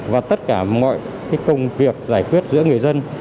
và tất cả mọi công việc giải quyết giữa người dân